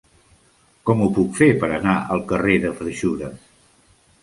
Com ho puc fer per anar al carrer de Freixures?